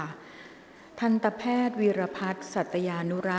กรรมการท่านที่สองได้แก่กรรมการใหม่เลขหนึ่งค่ะ